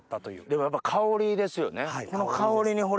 でもやっぱり香りですよね。